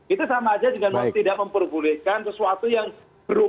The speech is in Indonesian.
itu sama aja dengan tidak memperbolehkan sesuatu yang berubah